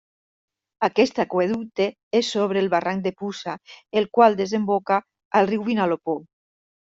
Aquest aqüeducte és sobre el barranc de Puça, el qual desemboca al riu Vinalopó.